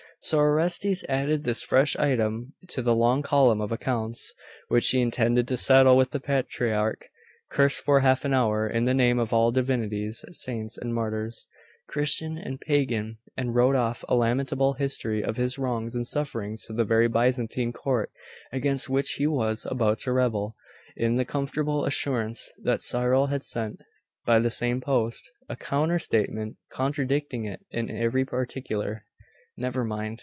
So Orestes added this fresh item to the long column of accounts which he intended to settle with the patriarch; cursed for half an hour in the name of all divinities, saints, and martyrs, Christian and Pagan; and wrote off a lamentable history of his wrongs and sufferings to the very Byzantine court against which he was about to rebel, in the comfortable assurance that Cyril had sent, by the same post, a counter statement, contradicting it in every particular.... Never mind....